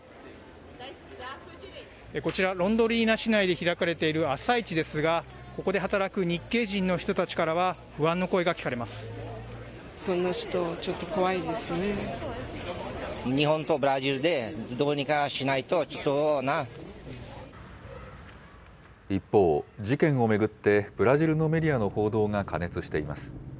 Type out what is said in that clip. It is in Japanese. こちら、ロンドリナ市内で開かれている朝市ですが、ここで働く日系人の人たちからは、一方、事件を巡って、ブラジルのメディアの報道が過熱しています。